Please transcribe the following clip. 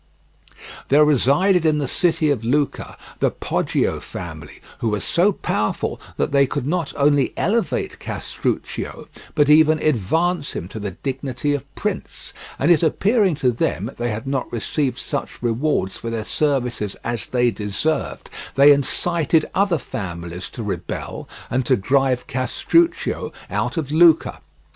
There resided in the city of Lucca the Poggio family, who were so powerful that they could not only elevate Castruccio, but even advance him to the dignity of prince; and it appearing to them they had not received such rewards for their services as they deserved, they incited other families to rebel and to drive Castruccio out of Lucca.